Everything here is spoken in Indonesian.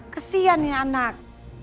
kesian ya anak